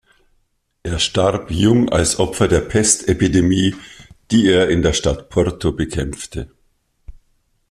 Er starb jung als Opfer der Pestepidemie, die er in der Stadt Porto bekämpfte.